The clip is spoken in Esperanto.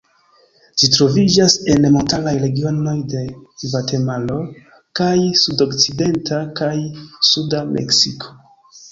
Ĝi troviĝas en montaraj regionoj de Gvatemalo kaj sudokcidenta kaj suda Meksiko.